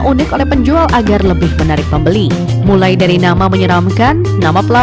ya jenisnya banyak sekali ada durian lokal ada durian mahal dan durian mentega